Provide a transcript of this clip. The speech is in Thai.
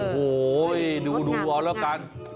โหดูเอาแล้วกัน